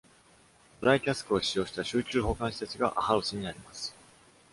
ドライキャスクを使用した集中保管施設がアハウスにあります。